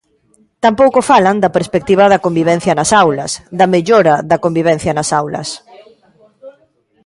Tampouco falan da perspectiva da convivencia nas aulas, da mellora da convivencia nas aulas.